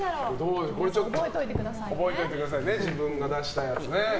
覚えておいてくださいね自分が出したやつね。